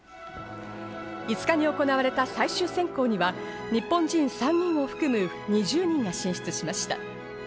５日に行われた最終選考には日本人３人を含む２０人が進出しました。